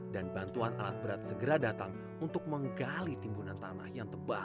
dan bantuan alat berat segera datang untuk menggali timbunan tanah yang tebal